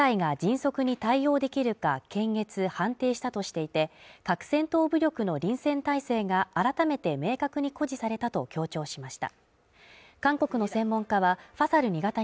訓練は部隊が迅速に対応できるか検閲・判定したとしていて核戦闘武力の臨戦態勢が改めて明確に公示されたと強調しました。